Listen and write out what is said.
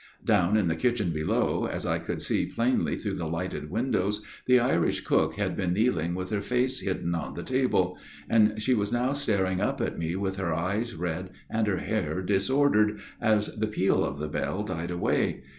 " Down in the kitchen below, as I could see plainly through the lighted windows, the Irish cook had been kneeling with her face hidden on the table ; and she was now staring up at me with her eyes red and her hair disordered, as the peal of the bell died away.